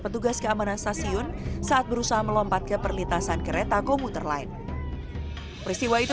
petugas keamanan stasiun saat berusaha melompat ke perlintasan kereta komuter lain peristiwa itu